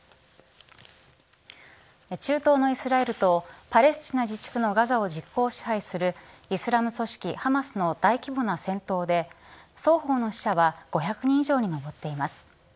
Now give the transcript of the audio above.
中東のイスラエルとパレスチナ自治区のガザを実効支配するイスラム組織ハマスの大規模な戦闘で双方の死者は５００人以上に上っています。